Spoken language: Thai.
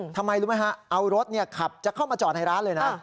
ทำไมรู้ไหมฮะเอารถขับจะเข้ามาจอดในร้านเลยนะ